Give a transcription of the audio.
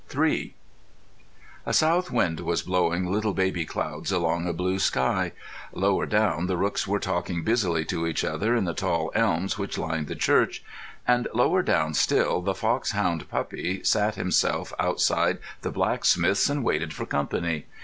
III A south wind was blowing little baby clouds along a blue sky; lower down, the rooks were talking busily to each other in the tall elms which lined the church; and, lower down still, the foxhound puppy sat himself outside the blacksmith's and waited for company.